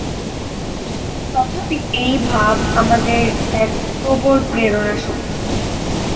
তথাপি এই ভাব আমাদের এক প্রবল প্রেরণাশক্তি।